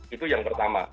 itu yang pertama